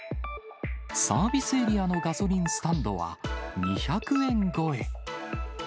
サービスエリアのガソリンスタンドは、２００円超え。